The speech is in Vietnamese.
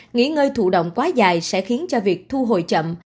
nghỉ ngơi thụ động quá dài sẽ khiến cho việc thu hồi chậm